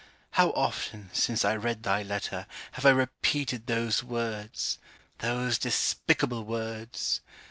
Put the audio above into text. _' How often, since I read thy letter, have I repeated those words those despicable words!